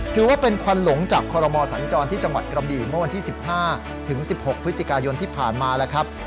ถือว่าเป็นควันหลงจากคอรมอสัญจรที่จังหวัดกระบี่เมื่อวันที่๑๕๑๖พฤศจิกายนที่ผ่านมาแล้วครับ